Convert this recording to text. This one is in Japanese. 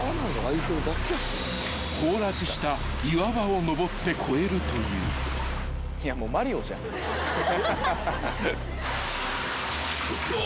［崩落した岩場を登って越えるという］うわ。